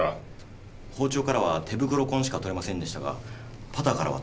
包丁からは手袋痕しか採れませんでしたがパターからは採れました。